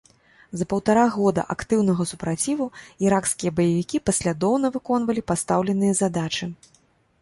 За паўтара года актыўнага супраціву іракскія баевікі паслядоўна выконвалі пастаўленыя задачы.